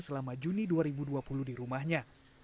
selama juni dua ribu dua puluh di rumahnya